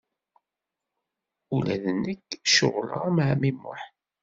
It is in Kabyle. Ula d nekk ceɣleɣ am ɛemmi Muḥ.